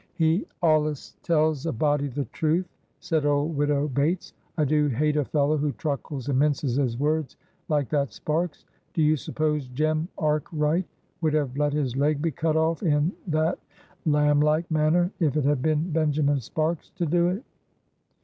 "He allus tells a body the truth," said old Widow Bates. "I do hate a fellow who truckles and minces his words like that Sparks. Do you suppose Jem Arkwright would have let his leg be cut off in that lamb like manner if it had been Benjamin Sparks to do it?